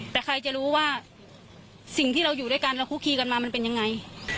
แต่ใครจะรู้ว่าสิ่งที่เราอยู่ด้วยกันเราคุกคีกันมามันเป็นยังไง